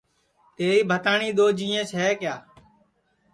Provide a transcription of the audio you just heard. تیری بھتاٹؔی دؔو جینٚیس ہے کیا